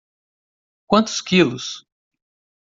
Quantos quilos?